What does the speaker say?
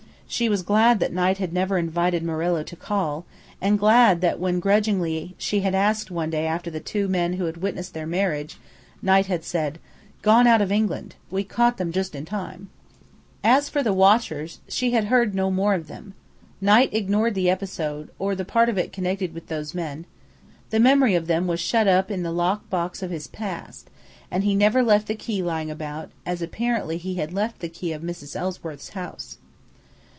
She was glad that Knight had never invited Morello to call, and glad that when grudgingly she had asked one day after the two men who had witnessed their marriage, Knight had said, "Gone out of England. We just caught them in time." As for the watchers, she had heard no more of them. Knight ignored the episode, or the part of it connected with those men. The memory of them was shut up in the locked box of his past, and he never left the key lying about, as apparently he had left the key of Mrs. Ellsworth's house.